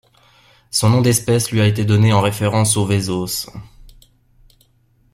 Son nom d'espèce lui a été donné en référence aux Vezos.